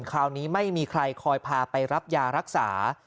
คราวนี้ไม่มีใครคอยพาไปรับยารักษา